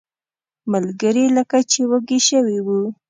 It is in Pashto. ملګري لکه چې وږي شوي وو.